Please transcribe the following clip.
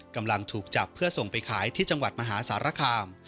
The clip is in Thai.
กำลังถูกจับเพื่อส่งไปขายที่จังหวัดมหาสารคาม